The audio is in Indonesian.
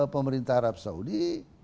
pemerintah arab saudi